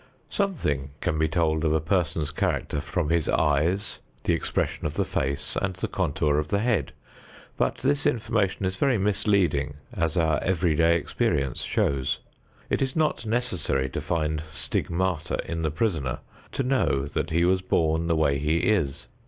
Something can be told of a person's character from his eyes, the expression of the face and the contour of the head, but this information is very misleading as our everyday experience shows. It is not necessary to find stigmata in the prisoner to know that he was born the way he is.